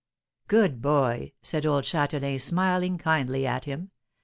"Good boy," said old Châtelain, smiling kindly at him.